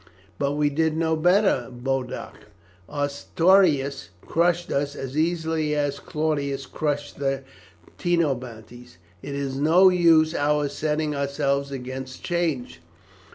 "But we did no better, Boduoc; Ostorius crushed us as easily as Claudius crushed the Trinobantes. It is no use our setting ourselves against change.